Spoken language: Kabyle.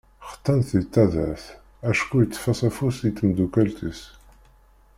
Xeṭṭan-t di taddart acku yeṭṭef-as afus i temdakelt-is.